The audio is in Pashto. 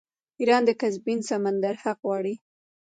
ایران د کسپین سمندر حق غواړي.